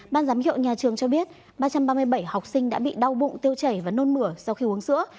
ban giám hiệu nhà trường cho biết ba trăm ba mươi bảy học sinh đã bị đau bụng tiêu chảy và nôn mửa sau khi uống sữa